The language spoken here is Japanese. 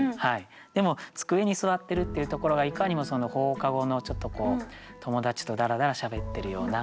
でも机に座ってるっていうところがいかにも放課後の友達とだらだらしゃべってるようなというね。